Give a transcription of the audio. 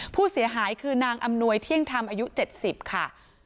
ผู้เสียหายคือนางอำนวยเที่ยงธรรมอายุ๗๐ค่ะ